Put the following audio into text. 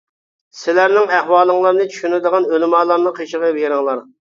سىلەرنىڭ ئەھۋالىڭلارنى چۈشىنىدىغان ئۆلىمالارنىڭ قېشىغا بېرىڭلار.